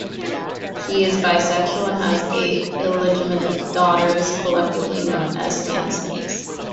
He is bisexual and has eight illegitimate daughters, collectively known as the "Sand Snakes".